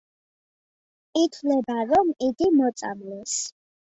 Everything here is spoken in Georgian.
ითვლება, რომ იგი მოწამლეს.